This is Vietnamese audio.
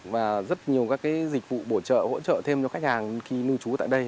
và rất nhiều các cái dịch vụ bổ trợ hỗ trợ thêm cho khách hàng khi nuôi chú tại đây